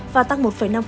và tăng một năm